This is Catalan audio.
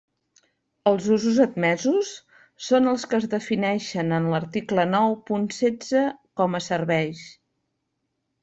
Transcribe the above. Els usos admesos són els que es defineixen en l'article nou punt setze com a serveis.